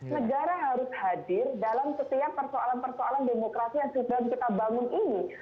negara harus hadir dalam setiap persoalan persoalan demokrasi yang sedang kita bangun ini